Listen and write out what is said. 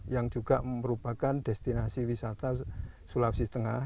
yang juga merupakan destinasi wisata sulawesi tengah